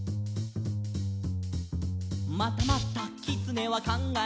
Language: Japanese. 「またまたきつねはかんがえた」